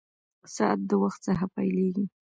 ساعت د وخت څخه پېلېږي.